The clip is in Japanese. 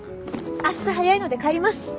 明日早いので帰ります。